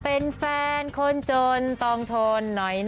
เป็นแฟนคนจนต้องทนหน่อย